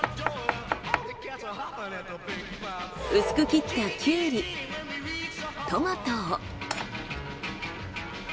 薄く切ったキュウリ・トマトを。